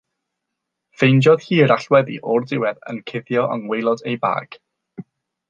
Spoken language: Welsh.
Ffeindiodd hi'r allweddi o'r diwedd yn cuddio yng ngwaelod ei bag.